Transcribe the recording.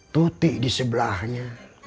tutik di sebelahnya